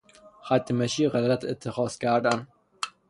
خط مشی غلط اتخاذ کردن